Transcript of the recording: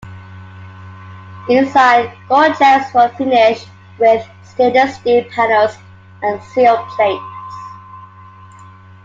Inside doorjambs were finished with stainless steel panels and sill plates.